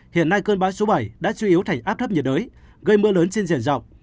hiện nay cơn bão số bảy đã suy yếu thành áp thấp nhiệt đới gây mưa lớn trên diện rộng